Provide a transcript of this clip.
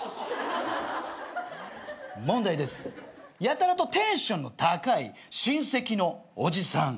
「やたらとテンションの高い親戚のおじさん」